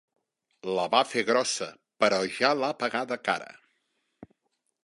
La va fer grossa, però ja l'ha pagada cara.